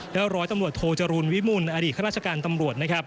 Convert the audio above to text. และร้อยตำรวจโทจรุลวิมุลอดีตของราชการตำรวจ